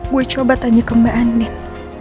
gue coba tanya ke mbak ani